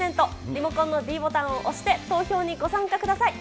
リモコンのｄボタンを押して、投票にご参加ください。